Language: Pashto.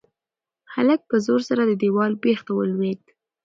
هلک په زور سره د دېوال بېخ ته ولوېد.